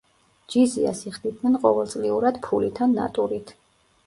ჯიზიას იხდიდნენ ყოველწლიურად ფულით ან ნატურით.